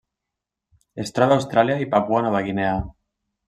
Es troba a Austràlia i Papua Nova Guinea.